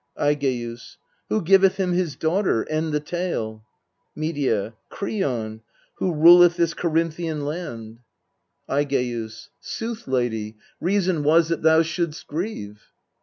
Aigeus. Who giveth him his daughter ? End the tale. Medea. Kreon, who ruleth this Corinthian land. 10 2 66 EURIPIDES Aigeus. Sooth, lady, reason was that thou shouldst grieve.